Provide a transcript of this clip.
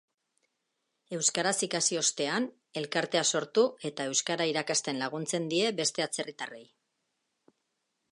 Euskaraz ikasi ostean, elkartea sortu eta euskara irakasten laguntzen die beste atzerritarrei.